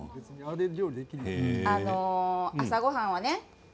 朝ごはんがね